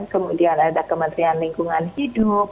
kemudian ada kementerian lingkungan hidup